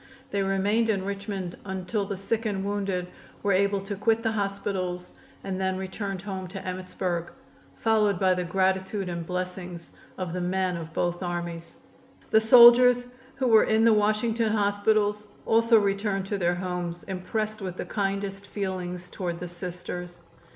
They remained in Richmond until the sick and wounded were able to quit the hospitals and then returned home to Emmitsburg, followed by the gratitude and blessings of the men of both armies. The soldiers who were in the Washington hospitals also returned to their homes impressed with the kindest feelings toward the Sisters.